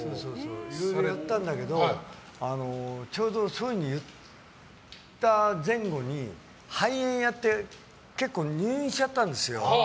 いろいろやったんだけどそういうふうに言った前後に肺炎やって結構、入院しちゃったんですよ。